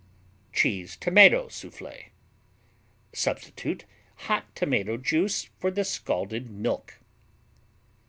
Cheese Tomato Soufflé Substitute hot tomato juice for the scalded milk.